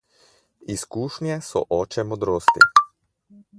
Izkušnje so oče modrosti.